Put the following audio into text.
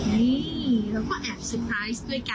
นี่เราก็แอบสุขายด้วยกัน